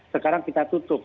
sekarang kita tutup